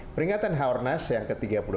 peringatan h o r n a s yang ke tiga puluh delapan